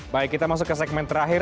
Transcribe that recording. baik kita masuk ke segmen terakhir